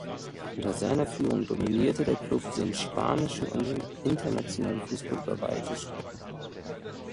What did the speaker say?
Unter seiner Führung dominierte der Klub den spanischen und internationalen Fußball über weite Strecken.